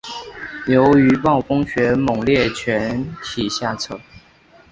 由于暴风雪猛烈全体下撤。